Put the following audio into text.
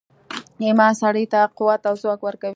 ایمان سړي ته قوت او ځواک ورکوي